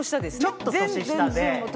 ちょっと年下で。